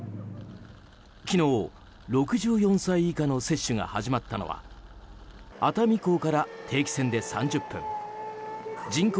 昨日、６４歳以下の接種が始まったのは熱海港から定期船で３０分人口